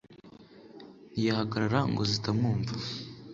ntiyahagarara ngo zitamwumva